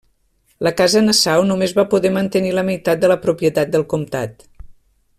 La casa Nassau només va poder mantenir la meitat de la propietat del comtat.